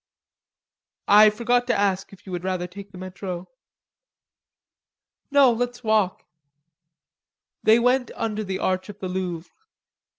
"I forgot to ask you if you would rather take the Metro." "No; let's walk." They went under the arch of the Louvre.